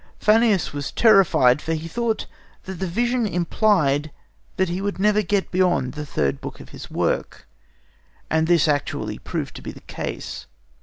Fannius was terrified, for he thought the vision implied that he would never get beyond the third book of his work, and this actually proved to be the case.